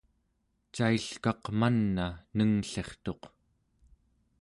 cailkaq man'a nengllirtuq